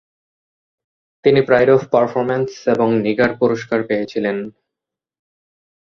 তিনি pride of performance এবং নিগার পুরস্কার পেয়েছিলেন।